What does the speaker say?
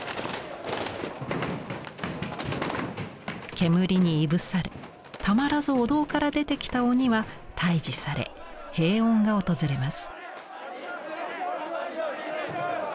煙にいぶされたまらずお堂から出てきた鬼は退治され平穏が訪れます。